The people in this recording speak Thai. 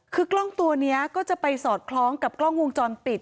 คือกล้องตัวนี้ก็จะไปสอดคล้องกับกล้องวงจรปิด